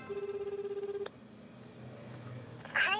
はい。